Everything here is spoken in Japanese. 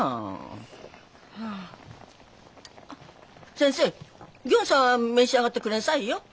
先生ぎょうさん召し上がってくれんさいよ。